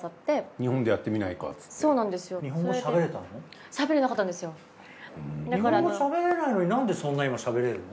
日本語しゃべれないのになんでそんな今しゃべれるの？